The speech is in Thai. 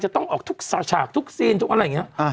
ต้องออกทุกฉากทุกซีนทุกอะไรอย่างนี้